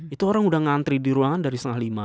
itu orang udah ngantri di ruangan dari setengah lima